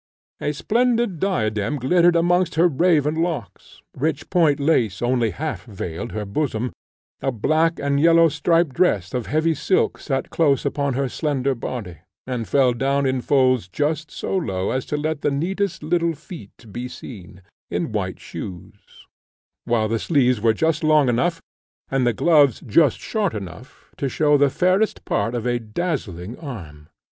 A splendid diadem glittered amongst her raven locks, rich point lace only half veiled her bosom, a black and yellow striped dress of heavy silk sate close upon her slender body, and fell down in folds just so low as to let the neatest little feet be seen, in white shoes, while the sleeves were just long enough, and the gloves just short enough, to show the fairest part of a dazzling arm.